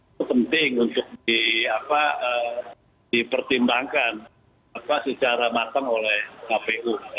itu penting untuk dipertimbangkan secara matang oleh kpu